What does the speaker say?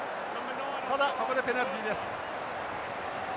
ただここでペナルティです。